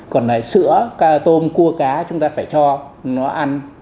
còn là sữa tôm cua cá chúng ta phải cho nó ăn